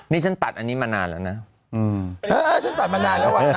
นี่ฉันตัดอันนี้มานานแล้วนะ